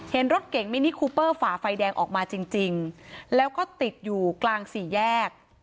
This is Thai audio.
เห็นรถเก่งมินิคูเปอร์ฝ่าไฟแดงออกมาจริงแล้วก็ติดอยู่กลางสี่แยก